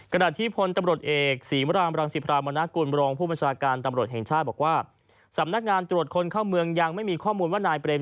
กระดาษภนตรรหมดเอกศรีบรามรังสิพรามณกลบรองผู้บัญชาการตรรมรดภ์แห่งชาติบอกว่า